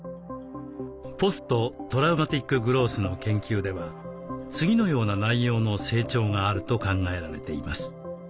ポスト・トラウマティック・グロースの研究では次のような内容の成長があると考えられています。